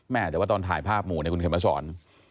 แมงเวียวตอนถ่ายภาพหมู่คุณเคยมาสอน